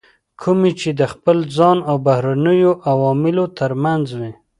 کومې چې د خپل ځان او بهرنیو عواملو ترمنځ وي.